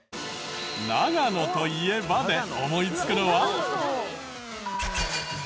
「長野といえば」で思いつくのは？